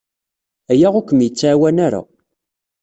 Aya ur kem-yettɛawan ara.